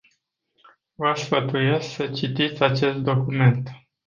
Vă sfătuiesc să citiți acest document.